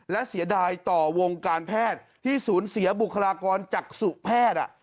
และเสียดายต่อวงการแพทย์ที่สูญเสียบุคลากรจักษุแพทย์